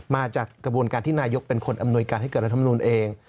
มาจากกระบวนการที่นายกเป็นคนอำนวยการให้เกิดรัฐมนูลเอง